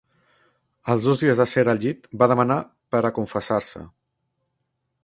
Als dos dies de ser al llit va demanar pera confessar-se